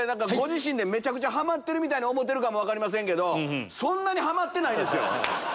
ご自身でめちゃくちゃはまってるみたいに思うてるかも分かりませんけどそんなにはまってないですよ。